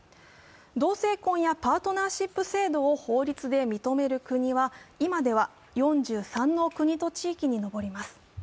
同性婚やパートナーシップ制度を法律で認める国は今では４３の国と地域に上ります。